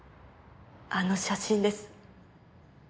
あの写真です。